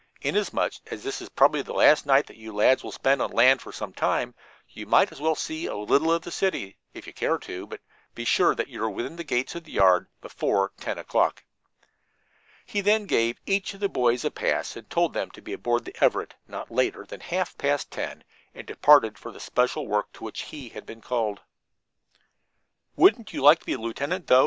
Inasmuch as this is probably the last night that you lads will spend on land for some time, you might as well see a little of the city, if you care to, but be sure that you are within the gates of the yard before ten o'clock." He then gave each of the boys a pass, and told them to be aboard the Everett not later than half past ten o'clock, and departed for the special work to which he had been called. "Wouldn't you like to be a lieutenant, though?"